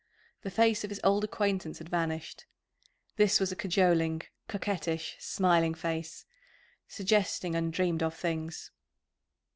The face of his old acquaintance had vanished this was a cajoling, coquettish, smiling face, suggesting undreamed of things.